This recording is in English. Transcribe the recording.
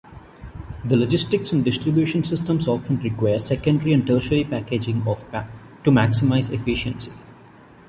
The logistics and distribution systems often require secondary and tertiary packaging to maximize efficiency.